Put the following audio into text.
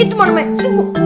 itu mana banyak simpul